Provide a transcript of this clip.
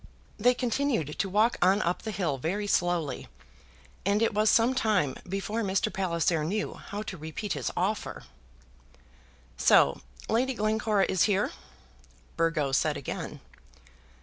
They continued to walk on up the hill very slowly, and it was some time before Mr. Palliser knew how to repeat his offer. "So Lady Glencora is here?" Burgo said again.